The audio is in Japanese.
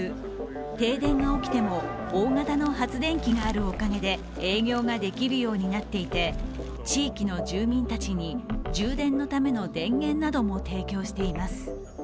停電が起きても大型の発電機があるおかげで営業ができるようになっていて地域の住民たちに充電のための電源なども提供しています。